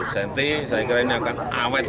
saya kira ini akan awet